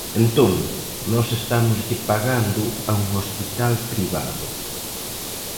Entón, nós estámoslle pagando a un hospital privado.